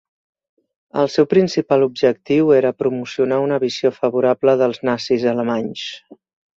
El seu principal objectiu era promocionar una visió favorable dels nazis alemanys.